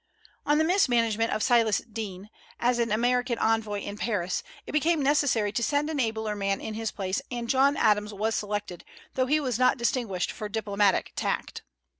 On the mismanagement of Silas Deane, as an American envoy in Paris, it became necessary to send an abler man in his place, and John Adams was selected, though he was not distinguished for diplomatic tact.